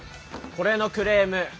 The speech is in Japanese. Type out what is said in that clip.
これのクレーム